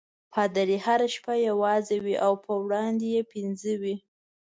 پادري هره شپه یوازې وي او په وړاندې یې پنځه وي.